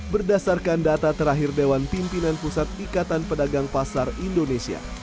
berdasarkan data terakhir dewan pimpinan pusat ikatan pedagang pasar indonesia